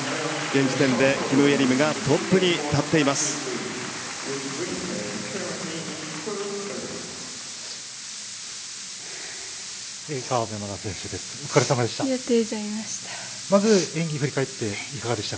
現時点でキム・イェリムがトップに立っています。